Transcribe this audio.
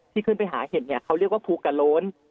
ขึ้นไปหาเห็ดเนี่ยเขาเรียกว่าภูกระโล้น